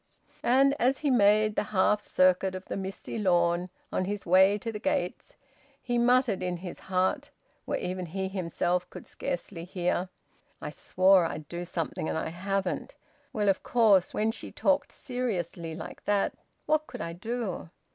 And as he made the half circuit of the misty lawn, on his way to the gates, he muttered in his heart, where even he himself could scarcely hear: "I swore I'd do something, and I haven't. Well, of course, when she talked seriously like that, what could I do?"